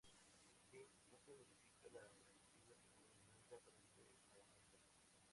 Así, no se modifica la perspectiva, sino la distancia aparente a un objeto.